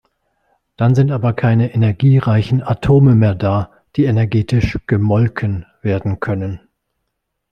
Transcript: Dann sind aber keine energiereichen Atome mehr da, die energetisch „gemolken“ werden können.